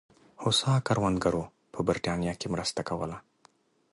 هوسا کروندګرو په برېټانیا کې مرسته کوله.